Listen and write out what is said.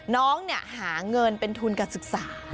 น้องหาเงินเป็นทุนการศึกษา